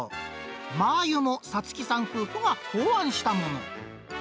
マー油もサツキさん夫婦が考案したもの。